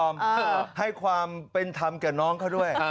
ให้ความเป็นธรรมแก่น้องเขาด้วย